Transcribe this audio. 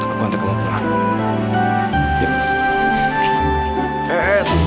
aku hantar kamu pulang